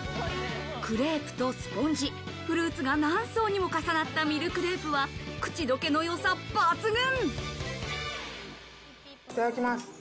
クレープとスポンジ、フルーツが何層にも重なったミルクレープは、口どけのよさ抜群。